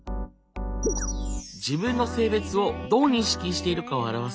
自分の性別をどう認識しているかを表す性自認。